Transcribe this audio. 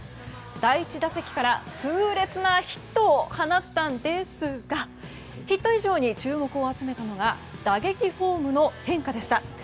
第１打席から痛烈なヒットを放ったんですがヒット以上に注目を集めたのが打撃フォームの変化でした。